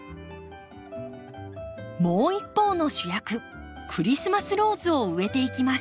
もう一方の主役クリスマスローズを植えていきます。